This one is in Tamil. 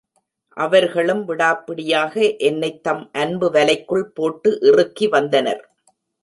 அவர்களும் விடாப்பிடியாக என்னைத் தம் அன்பு வலைக்குள் போட்டு இறுக்கி வந்தனர்.